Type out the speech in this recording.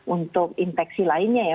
untuk infeksi lainnya ya